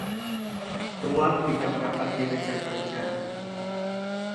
Tuah tidak dapat direjan-rejan